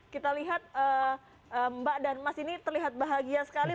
kita lihat mbak dan mas ini terlihat bahagia sekali